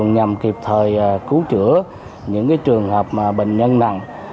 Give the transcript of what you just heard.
nhằm kịp thời cứu chữa những trường hợp bệnh nhân nặng